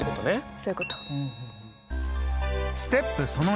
そういうこと！